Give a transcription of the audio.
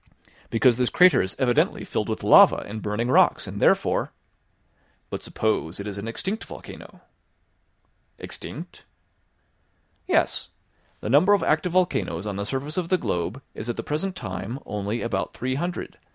"Because this crater is evidently filled with lava and burning rocks, and therefore " "But suppose it is an extinct volcano?" "Extinct?" "Yes; the number of active volcanoes on the surface of the globe is at the present time only about three hundred.